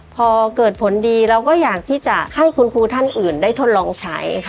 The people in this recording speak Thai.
พอเกิดผลดีเราก็อยากที่จะให้คุณครูท่านอื่นได้ทดลองใช้ค่ะ